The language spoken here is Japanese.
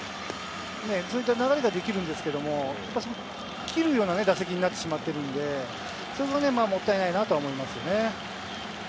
こういった流れができるんですけれど、切るような打席になってしまってるので、もったいないなと思います。